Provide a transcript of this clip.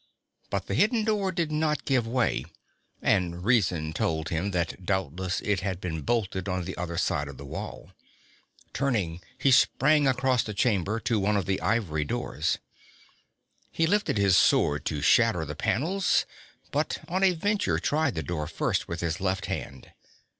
But the hidden door did not give way, and reason told him that doubtless it had been bolted on the other side of the wall. Turning, he sprang across the chamber to one of the ivory doors. He lifted his sword to shatter the panels, but on a venture tried the door first with his left hand.